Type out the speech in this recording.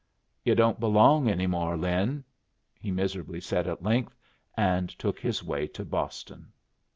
"Yu' don't belong any more, Lin," he miserably said at length, and took his way to Boston.